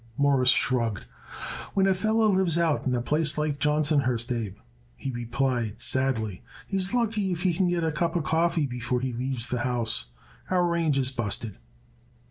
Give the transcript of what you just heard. Morris shrugged. "When a feller lives out in a place called Johnsonhurst, Abe," he replied sadly, "he is lucky if he could get a cup of coffee before he leaves the house. Our range is busted."